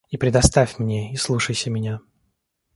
И предоставь мне, и слушайся меня.